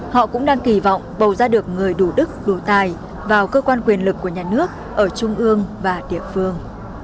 họ cũng đang kỳ vọng bầu ra được người đủ đức đủ tài vào cơ quan quyền lực của nhà nước ở trung ương và địa phương